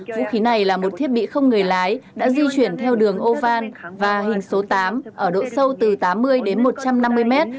vũ khí này là một thiết bị không người lái đã di chuyển theo đường ovan và hình số tám ở độ sâu từ tám mươi đến một trăm năm mươi mét